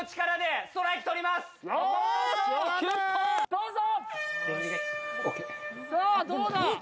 どうぞ！